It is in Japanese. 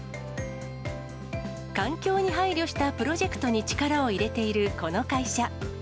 環境に配慮したプロジェクトに力を入れているこの会社。